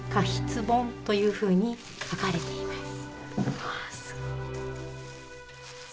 うわすごい。